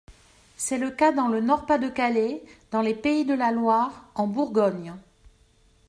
C’est le cas dans le Nord-Pas-de-Calais, dans les Pays de la Loire, en Bourgogne.